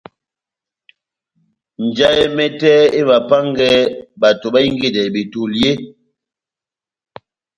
Njahɛ mɛtɛ emapángɛ bato bahingedɛ betoli eeeh ?